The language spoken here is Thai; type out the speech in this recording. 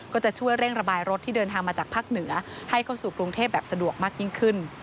ก็จะช่วยเร่งระบายรถที่เดินทางมาจากภาคเหนือให้เข้าสู่กรุงเทพแบบสะดวกมากยิ่งขึ้น